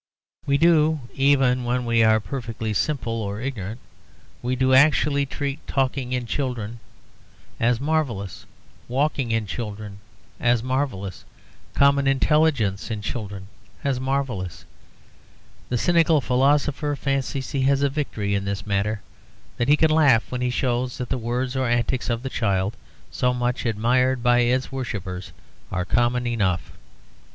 We do (even when we are perfectly simple or ignorant) we do actually treat talking in children as marvellous, walking in children as marvellous, common intelligence in children as marvellous. The cynical philosopher fancies he has a victory in this matter that he can laugh when he shows that the words or antics of the child, so much admired by its worshippers, are common enough.